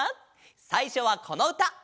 さいしょはこのうた。